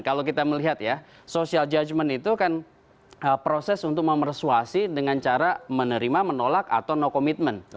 kalau kita melihat ya social judgement itu kan proses untuk memersuasi dengan cara menerima menolak atau no commitment